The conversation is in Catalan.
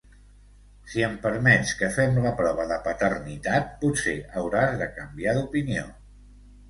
Si em permets que fem la prova de paternitat potser hauràs de canviar d'opinió.